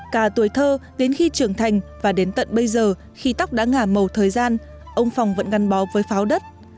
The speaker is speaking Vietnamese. cả tuổi thơ đến khi trưởng thành và đến tận bây giờ khi tóc đã ngả màu thời gian ông phòng vẫn ngăn bó với pháo đất